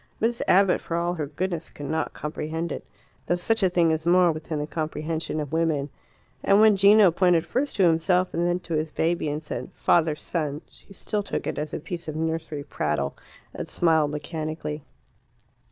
Miss Abbott, for all her goodness, could not comprehend it, though such a thing is more within the comprehension of women. And when Gino pointed first to himself and then to his baby and said "father son," she still took it as a piece of nursery prattle, and smiled mechanically.